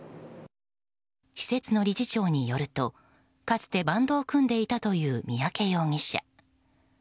施設の理事長によるとかつてバンドを組んでいたという三宅容疑者。